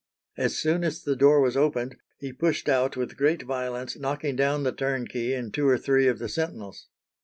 As soon as the door was opened he pushed out with great violence, knocking down the turnkey and two or three of the sentinels.